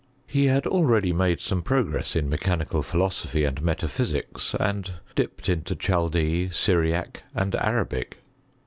He had already made some progress in mechanical philosophy and metaphysics, and dipped into Chaldee , Syriac , and Arabic.